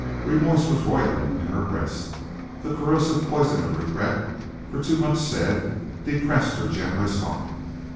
Remorse was roiling in her breast; the corrosive poison of regret for too much said, depressed her generous heart.